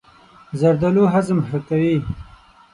زردالو هضم ښه کوي.